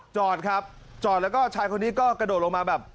จอดครับจอดแล้วก็ชายคนนี้ก็กระโดดลงมาแบบ